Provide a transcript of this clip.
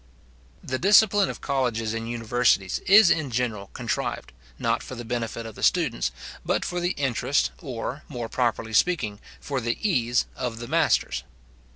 The discipline of colleges and universities is in general contrived, not for the benefit of the students, but for the interest, or, more properly speaking, for the ease of the masters.